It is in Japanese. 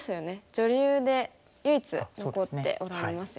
女流で唯一残っておられますよね。